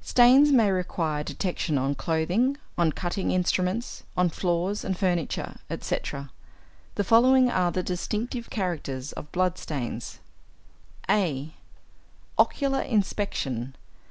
Stains may require detection on clothing, on cutting instruments, on floors and furniture, etc. The following are the distinctive characters of blood stains: (a) =Ocular Inspection.